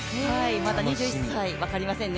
まだ２１歳、分かりませんね。